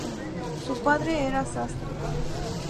Su padre era sastre.